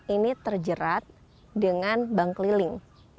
ini terjerat dengan bank keliling